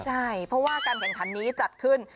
ใช่เพราะว่าการแข่งขันนี้จัดขึ้น